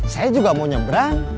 saya juga mau nyebrang